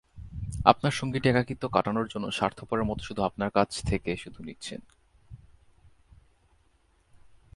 আপনার সঙ্গীটি একাকিত্ব কাটানোর জন্য স্বার্থপরের মতো আপনার কাছ থেকে শুধু নিচ্ছেন।